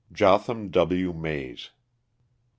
JOTHAM W. MAES.